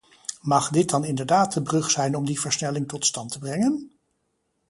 Mag dit dan inderdaad de brug zijn om die versnelling tot stand te brengen?